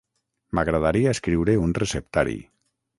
M'agradaria escriure un receptari.